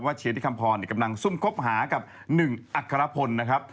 เชียร์ที่คำพรกำลังซุ่มคบหากับหนึ่งอัครพลนะครับ